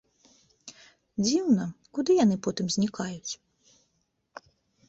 Дзіўна, куды яны потым знікаюць?